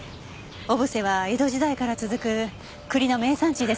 小布施は江戸時代から続く栗の名産地ですもの。